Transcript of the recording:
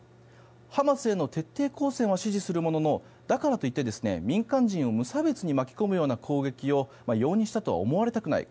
ハマスへの徹底抗戦は支持するもののだからといって、民間人を無差別に巻き込むような攻撃を容認したとは思われたくない。